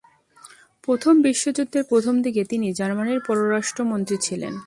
প্রথম বিশ্বযুদ্ধের প্রথমদিকে তিনি জার্মানির পররাষ্ট্রমন্ত্রী ছিলেন।